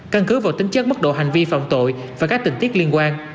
căn cứ vào tính chất mức độ hành vi phạm tội và các tình tiết liên quan